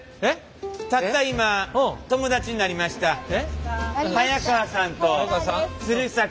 たった今友達になりました早川さんと鶴さん。